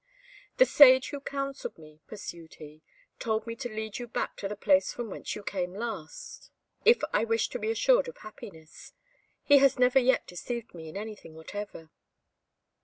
"The sage who counselled me," pursued he, "told me to lead you back to the place from whence you came last, if I wished to be assured of happiness: he has never yet deceived me in anything whatever."